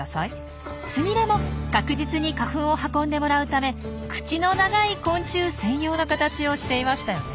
スミレも確実に花粉を運んでもらうため口の長い昆虫専用の形をしていましたよね。